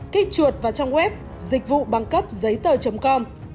kích chuột vào trong web dịch vụ băng cấp giấy tờ com